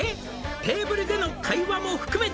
「テーブルでの会話も含めて」